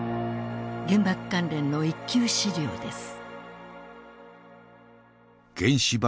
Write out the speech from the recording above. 原爆関連の一級資料です。